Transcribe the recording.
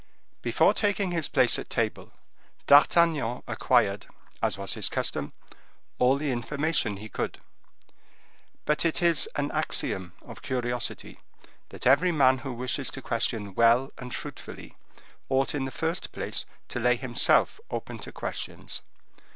Before taking his place at table, D'Artagnan acquired, as was his custom, all the information he could; but it is an axiom of curiosity, that every man who wishes to question well and fruitfully ought in the first place to lay himself open to questions.